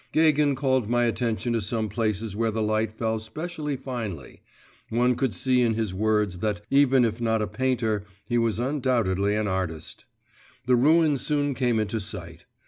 Gagin called my attention to some places where the light fell specially finely; one could see in his words that, even if not a painter, he was undoubtedly an artist. The ruin soon came into sight.